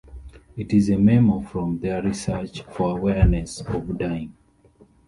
It is a memo from their research for "Awareness of Dying".